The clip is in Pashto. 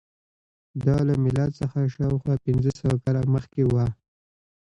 دا له میلاد څخه شاوخوا پنځه سوه کاله مخکې وه